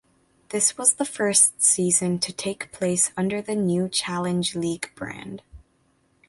This was the first season to take place under the new Challenge League brand.